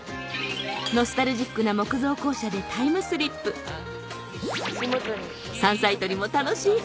ノスタルジックな木造校舎でタイムスリップ山菜採りも楽しい！